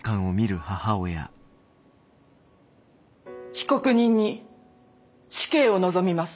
被告人に死刑を望みます。